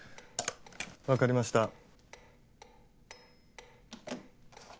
わかりました。